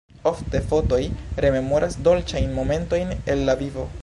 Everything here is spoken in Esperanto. Ofte fotoj rememoras dolĉajn momentojn el la vivo.